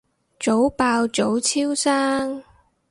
早爆早超生